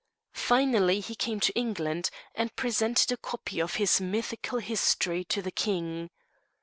Finally he came to England, and presented a copy of his mythical history to the King.